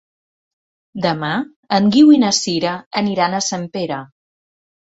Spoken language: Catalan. Demà en Guiu i na Sira aniran a Sempere.